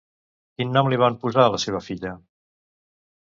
Quin nom li van posar a la seva filla?